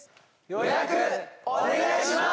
予約お願いします！